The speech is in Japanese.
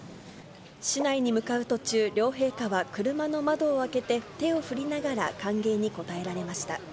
市内に向かう途中、両陛下は車の窓を開けて手を振りながら歓迎に応えられました。